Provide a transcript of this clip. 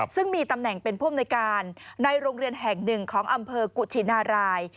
ซึ่งมีตำแหน่งเป็นผู้อำนวยการในโรงเรียนแห่งหนึ่งของอำเภอกุชินาราย